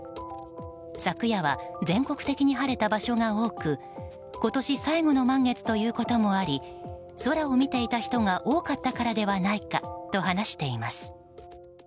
昨夜は全国的に晴れた場所が多く今年最後の満月ということもあり空を見ていた人が多かったからではないかと話しています。